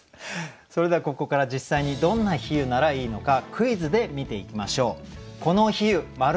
それではここから実際にどんな比喩ならいいのかクイズで見ていきましょう。